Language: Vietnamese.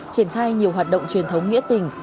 triển khai nhiều hoạt động truyền thống nghĩa tình